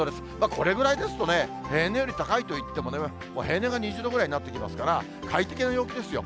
これぐらいですとね、平年より高いといってもね、もう平年が２０度ぐらいになってきますから、快適な陽気ですよ。